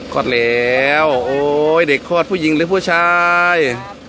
ก็แล้วโอ้ยเด็กคอดผู้ยิงหรือผู้ชาย